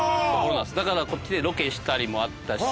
だからこっちでロケしたりもあったし。